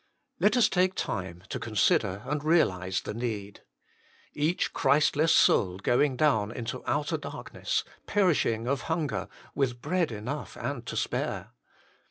Let us take time to consider and realise the need. Each Christless soul going down into outer darkness, perishing of hunger, with bread enough and to spare